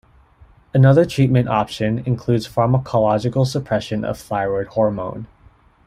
Another treatment option includes pharmacological suppression of thyroid hormone.